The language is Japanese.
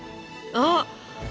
あっ！